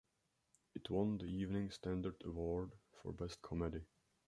It won the Evening Standard Award for Best Comedy.